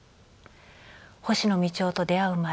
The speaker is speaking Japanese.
星野道夫と出会う前